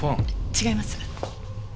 違います。